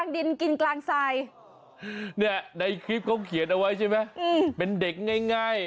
นี่ในคลิปเขาเขียนเอาไว้ใช่ไหมเป็นเด็กง่าย